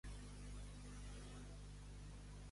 El secret, entre tots, està més ben guardat.